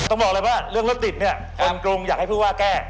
ต้องบอกเลยว่าเรื่องรถติดเนี่ยคนกรุงอยากให้ผู้ว่าแก้